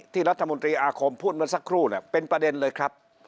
รัฐมนตรีอาคมพูดเมื่อสักครู่เป็นประเด็นเลยครับ